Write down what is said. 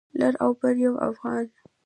لر او بر يو افغان.